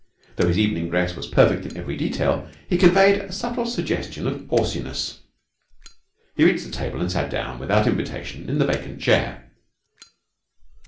Although his evening dress was perfect in every detail, he conveyed a subtle suggestion of horsiness. He reached the table and sat down without invitation in the vacant chair.